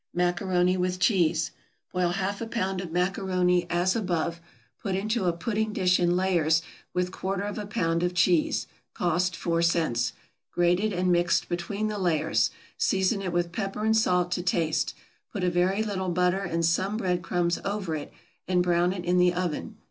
=Macaroni with Cheese.= Boil half a pound of macaroni, as above, put into a pudding dish in layers with quarter of a pound of cheese, (cost four cents,) grated and mixed between the layers; season it with pepper and salt to taste; put a very little butter and some bread crumbs over it, and brown it in the oven.